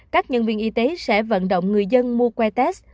các nhân viên y tế sẽ vận động người dân mua que test